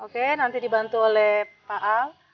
oke nanti dibantu oleh pak a